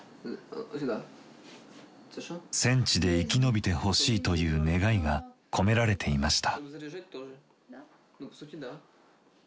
戦地で生き延びてほしいという願いが込められていました。